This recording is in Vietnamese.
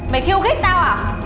mày kêu khích tao à